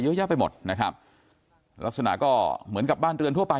เยอะแยะไปหมดนะครับลักษณะก็เหมือนกับบ้านเรือนทั่วไป